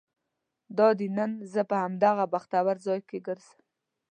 دادی نن زه په همدغه بختور ځای کې ګرځم.